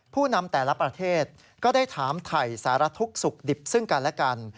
ผู้นำแต่ละประเทศก็ได้ถามถ่ายสารทุกข์สุขดิบซึ่งกันและกัน